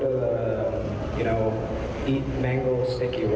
ไปที่แมงโก้เกมอร์